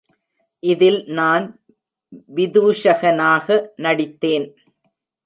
இதில் நான் விதூஷகனாக நடித்தேன்.